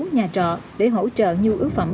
nhà trọ để hỗ trợ nhiều ước phẩm